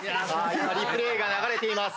今リプレーが流れています。